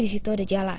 disitu ada jalan